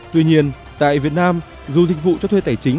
tuy nhiên tại việt nam dù dịch vụ cho thuê tài chính